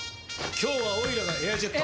今日はオイラが「エアジェット」！